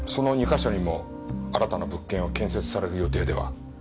か所にも新たな物件を建設される予定では？